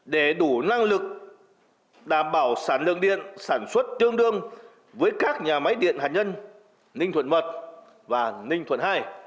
để đủ năng lực đảm bảo sản lượng điện sản xuất tương đương với các nhà máy điện hạt nhân ninh thuận mật và ninh thuận ii